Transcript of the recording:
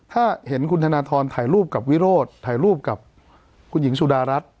ถ้าเห็นคุณธนทรถ่ายรูปกับวิโรธถ่ายรูปกับคุณหญิงสุดารัฐ